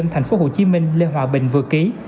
thành phố hồ chí minh lê hòa bình vừa ký